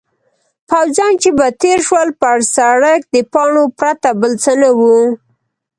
پوځیان چې به تېر شول پر سړک د پاڼو پرته بل څه نه وو.